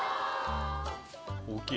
大きい。